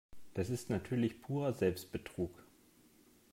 Das ist natürlich purer Selbstbetrug.